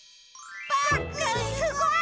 パックンすごい！